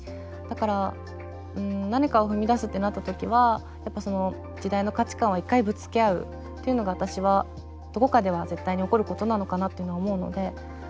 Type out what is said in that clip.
だから何かを踏み出すってなった時はやっぱその時代の価値観を一回ぶつけ合うっていうのが私はどこかでは絶対に起こることなのかなっていうのは思うので。